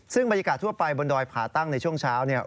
ซึ่งบรรยากาศทั่วไปบนดอยผ่าตั้งในช่วงเช้าเนี่ย